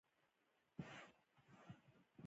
علي تل په هر مجلس کې خپلې خولې خوړلی وي.